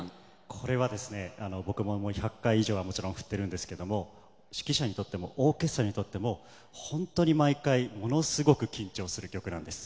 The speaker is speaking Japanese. これは僕も１００回以上は振っているんですけど指揮者にとってもオーケストラにとっても本当に毎回ものすごく緊張する曲なんです。